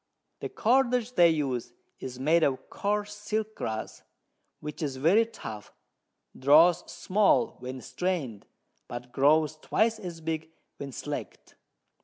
The Cordage they use is made of coarse Silk Grass, which is very tough, draws small when strain'd, but grows twice as big when slack'd.